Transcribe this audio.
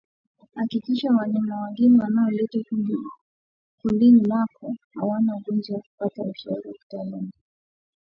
Hakikisha wanyama wageni wanaoletwa kundini mwako hawana ugonjwa pata ushauri wa kitaalamu